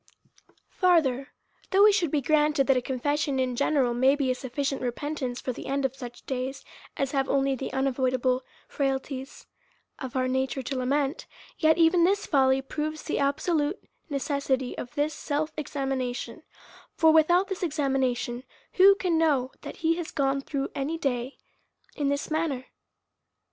Farther : Though it should be granted, that a con fession in general be a sufficient repentance for the end of such days as have only the unavoidable frailties of our nature to lament, yet even this fully proves the absolute necessity of this self examination: for without this examination, who can know that he has gone through any day in this manner?